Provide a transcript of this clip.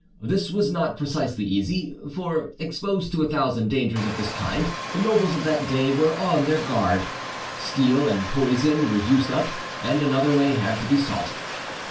This was not precisely easy; for, exposed to a thousand dangers of this kind, the nobles of that day were on their guard. Steel and poison were used up, and another way had to be sought.